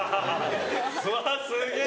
うわすげぇ！